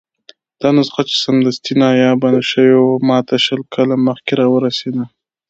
دا نسخه چې سمدستي نایابه شوې وه، ماته شل کاله مخکې راورسېده.